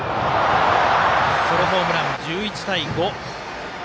ソロホームラン、１１対５。